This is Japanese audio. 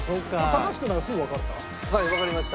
高橋くんなんかすぐわかった？